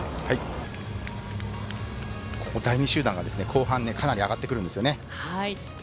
第２集団が後半かなり上がってくるんですよね。